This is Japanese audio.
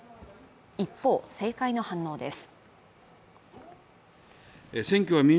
一方、政界の反応です。